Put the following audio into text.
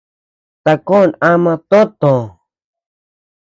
Takon ama toʼö tö.